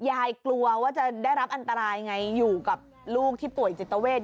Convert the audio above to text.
กลัวว่าจะได้รับอันตรายไงอยู่กับลูกที่ป่วยจิตเวท